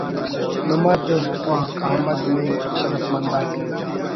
نما دوستخوا…… احمد نعیم ٭ شرفمند آک